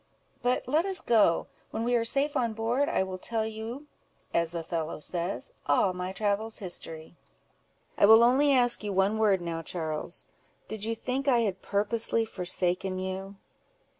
But let us go: when we are safe on board, I will tell you, as Othello says—'All my travels' history." "I will only ask you one word now, Charles—Did you think I had purposely forsaken you?"